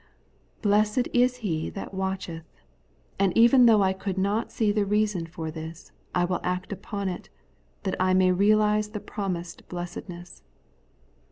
* Blessed is he that watcheth ;' and even though I could not see the reason for this, I will act upon it, that I may reaKze the promised blessedness.